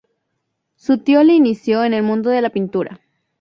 Su tío le inició en el mundo de la pintura.